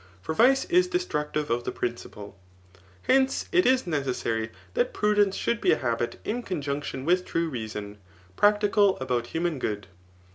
For vice is destructive of the principle* Hence it is necessary that prudence should be a habit in conjunction with true reason, practical about human good.